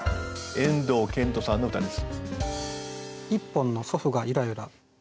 遠藤健人さんの歌です。